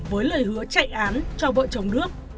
với lời hứa chạy án cho vợ chồng đước